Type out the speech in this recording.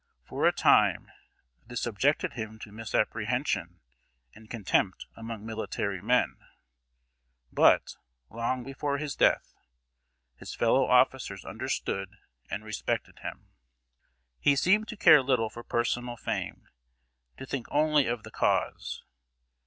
For a time this subjected him to misapprehension and contempt among military men, but, long before his death, his fellow officers understood and respected him. He seemed to care little for personal fame to think only of the Cause.